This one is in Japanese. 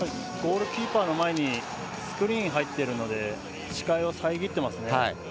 ゴールキーパーの前にスクリーン入っているので視界を遮ってますね。